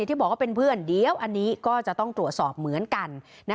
ที่บอกว่าเป็นเพื่อนเดี๋ยวอันนี้ก็จะต้องตรวจสอบเหมือนกัน